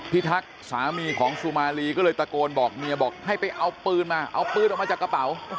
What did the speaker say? ทักษ์สามีของสุมารีก็เลยตะโกนบอกเมียบอกให้ไปเอาปืนมาเอาปืนออกมาจากกระเป๋า